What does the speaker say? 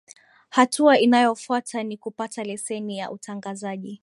hatua inayofuata ni kupata leseni ya utangazaji